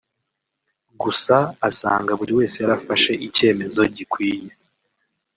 gusa asanga buri wese yarafashe icyemezo gikwiye